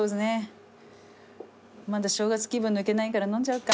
まだ正月気分抜けないから飲んじゃうか。